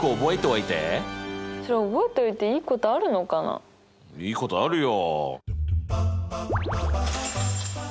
いいことあるよ。